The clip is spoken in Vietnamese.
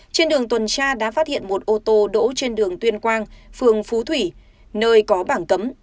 trên đường tuần tra đã phát hiện một ô tô đỗ trên đường tuyên quang phường phú thủy nơi có bảng cấm